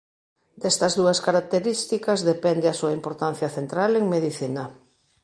Destas dúas características depende a súa importancia central en medicina.